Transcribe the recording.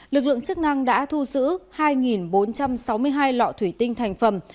lực lượng chức năng đã thu giữ hai bốn trăm sáu mươi hai lọ thủy tinh thành phẩm